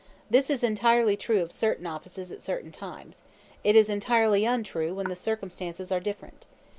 This is entirely true of certain offices at certain times. It is entirely untrue when the circumstances are different.